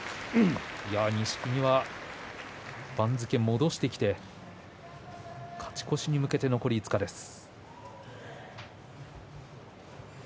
錦木は番付、戻してきて勝ち越しに向けて残り５日です。